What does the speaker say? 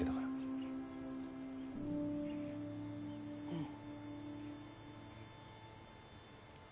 うん。